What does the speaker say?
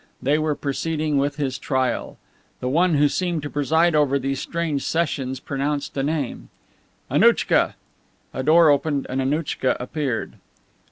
They were proceeding with his trial. The one who seemed to preside over these strange sessions pronounced a name: "Annouchka!" A door opened, and Annouchka appeared.